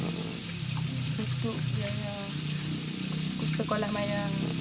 untuk biaya sekolah maya